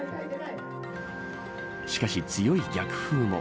しかし強い逆風も。